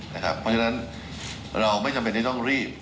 เพราะฉะนั้นเราไม่จำเป็นที่ต้องรีบ